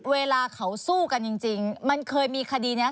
เวลาเขาสู้กันจริงมันเคยมีคดีนี้